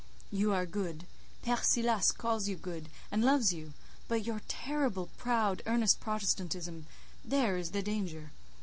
You are good—Père Silas calls you good, and loves you—but your terrible, proud, earnest Protestantism, there is the danger.